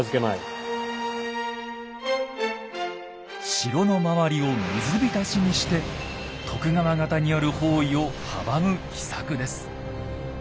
城の周りを水浸しにして徳川方による包囲を阻む秘策です。